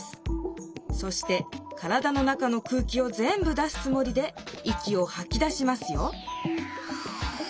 そして体の中の空気をぜんぶ出すつもりで息をはきだしますよ